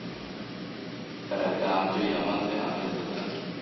Iyo myigaragambyo yamaze amezi atatu.